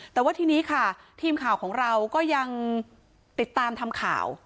แต่ว่าทีนี้ค่ะทีมข่าวของเราก็ยังติดตามทำข่าว